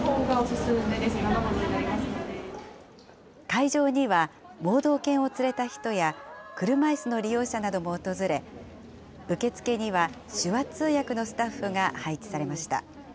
会場には盲導犬を連れた人や、車いすの利用者なども訪れ、受付には手話通訳のスタッフが配置されました。